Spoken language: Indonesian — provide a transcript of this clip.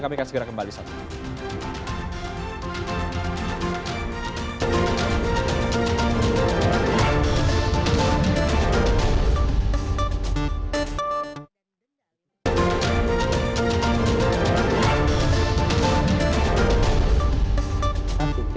kami akan segera kembali saat ini